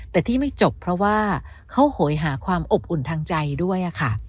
แต่ที่ไม่จบเพราะว่าเขาโหยหาความอบอุ่นทางใจด้วยค่ะ